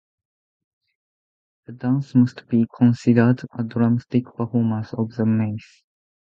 The dance must be considered a dramatic performance of the myth.